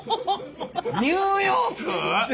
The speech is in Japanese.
ニューヨーク！？